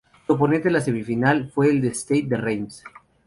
Su oponente en la semifinal fue el Stade de Reims.